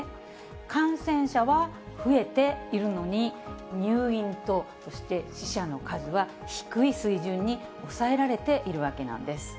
感染者は増えているのに、入院とそして死者の数は低い水準に抑えられているわけなんです。